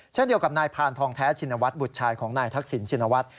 เช่นเดียวกับนายพานทองแท้ชินวัฒน์บุตรชายของนายทักษิณชินวัฒน์